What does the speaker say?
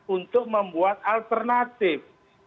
untuk membuat alternatif